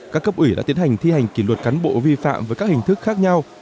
các cấp ủy đã tiến hành thi hành kỷ luật cán bộ vi phạm với các hình thức khác nhau